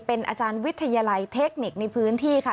เป็นอาจารย์วิทยาลัยเทคนิคในพื้นที่ค่ะ